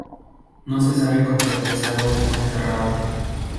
No se sabe con certeza dónde fue enterrado.